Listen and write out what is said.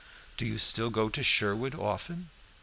"Do you still go to Sherwood often?